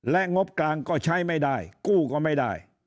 และงบกลางก็ใช้ไม่ได้กู้ก็ไม่ได้